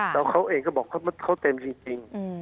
แล้วเขาเองก็บอกเขาเต็มจริง